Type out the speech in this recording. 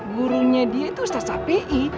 gurunya dia itu ustadz api